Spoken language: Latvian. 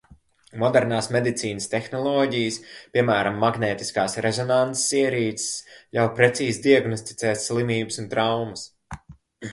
Modernās medicīnas tehnoloģijas, piemēram, magnētiskās rezonanses ierīces, ļauj precīzi diagnosticēt slimības un traumas.